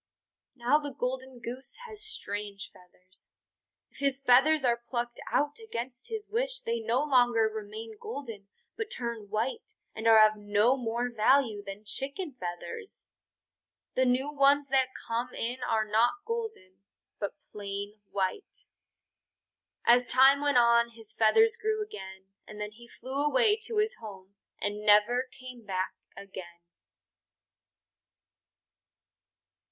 Now the Golden Goose has strange feathers. If his feathers are plucked out against his wish, they no longer remain golden but turn white and are of no more value than chicken feathers. The new ones that come in are not golden, but plain white. As time went on his feathers grew again, and then he flew away to his home and never came back again.